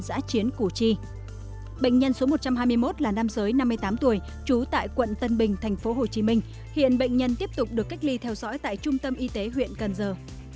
bệnh nhân số một trăm hai mươi một là nam giới năm mươi tám tuổi trú tại quận tân bình thành phố hồ chí minh hiện bệnh nhân tiếp tục được cách ly theo dõi tại trung tâm y tế huyện cần giờ